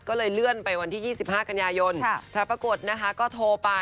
ก็เลยเลื่อนไปวันที่๒๕กันยายนแต่ปรากฏนะคะก็โทรไป